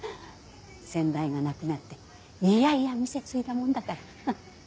先代が亡くなって嫌々店継いだもんだから。